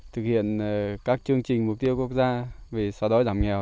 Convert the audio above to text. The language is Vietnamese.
thực hiện các chương trình mục tiêu quốc gia về xóa đói giảm nghèo